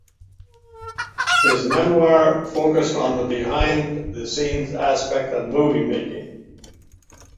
His memoir focused on the behind the scenes aspect of movie-making.